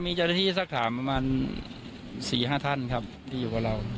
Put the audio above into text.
มีเจ้าหน้าที่สักถามประมาณ๔๕ท่านครับที่อยู่กับเรา